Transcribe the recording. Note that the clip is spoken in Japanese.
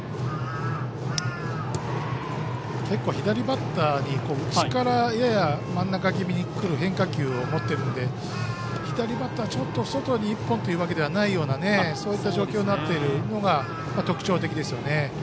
結構、左バッターに内からやや真ん中気味に来る変化球を持っているので左バッターは、外に１本とはないような状況になっているのが特徴的ですよね。